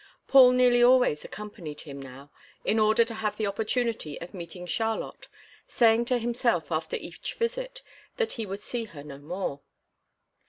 Paul nearly always accompanied him now, in order to have the opportunity of meeting Charlotte, saying to himself, after each visit, that he would see her no more.